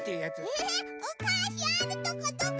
えっおかしあるとこどこ？